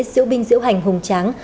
diễu binh diễu hành hùng tráng